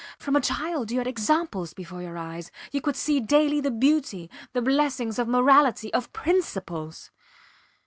From a child you had examples before your eyes you could see daily the beauty, the blessings of morality, of principles.